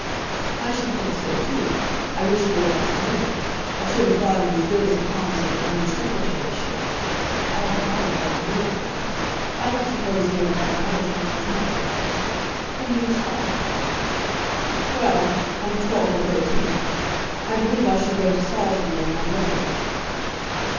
"I should think so too. I wish he had asked me. I should have thought it as good as a promise of an under secretaryship. All the Cabinet are to be there. I don't suppose he ever had an Irishman in his house before. When do you start?" "Well; on the 12th or 13th. I believe I shall go to Saulsby on my way."